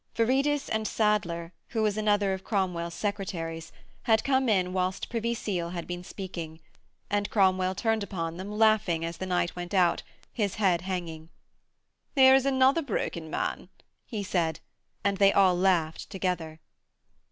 Viridus and Sadler, who was another of Cromwell's secretaries, had come in whilst Privy Seal had been speaking, and Cromwell turned upon them laughing as the knight went out, his head hanging. 'Here is another broken man,' he said, and they all laughed together.